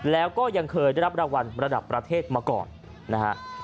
แล้วก็ยังเคยได้รับรางวัลระดับประเทศมาก่อนนะฮะ